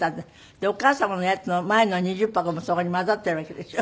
でお母様のやつの前の２０箱もそこに交ざってるわけでしょ？